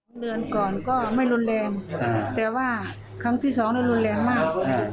เดือนก่อนก็ไม่รุนแรงแต่ว่าครั้งที่สองนี่รุนแรงมาก